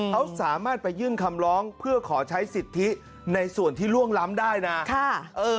เขาสามารถไปยื่นคำร้องเพื่อขอใช้สิทธิในส่วนที่ล่วงล้ำได้นะ